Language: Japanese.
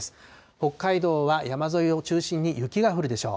北海道は山沿いを中心に雪が降るでしょう。